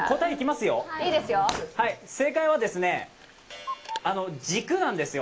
正解は、軸なんですよ。